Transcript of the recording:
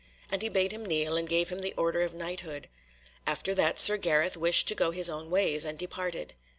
And he bade him kneel, and gave him the order of knighthood. After that Sir Gareth wished to go his own ways, and departed.